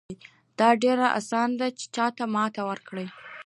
دا ډېره اسانه ده چې چاته ماتې ورکړو.